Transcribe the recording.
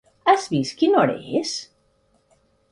has vist quina hora és?